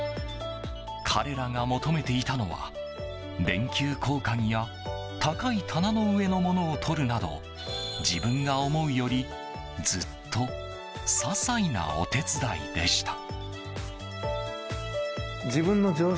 彼らが求めていたのは電球交換や高い棚の上のものを取るなど自分が思うよりずっと些細なお手伝いでした。